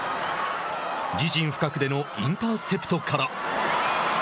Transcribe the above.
自陣深くでのインターセプトから。